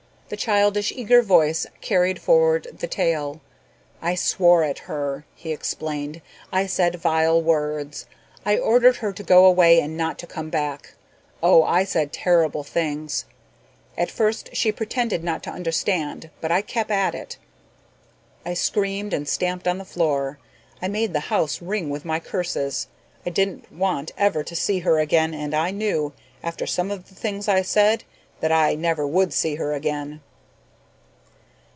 The childish, eager voice carried forward the tale. "I swore at her," he explained. "I said vile words. I ordered her to go away and not to come back. Oh, I said terrible things. At first she pretended not to understand but I kept at it. I screamed and stamped on the floor. I made the house ring with my curses. I didn't want ever to see her again and I knew, after some of the things I said, that I never would see her again."